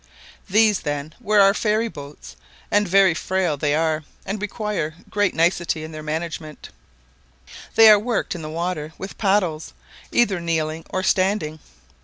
These, then, were our ferry boats, and very frail they are, and require great nicety in their management; they are worked in the water with paddles, either kneeling or standing.